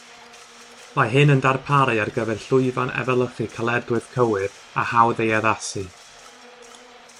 Mae hyn yn darparu ar gyfer llwyfan efelychu caledwedd cywir a hawdd ei addasu.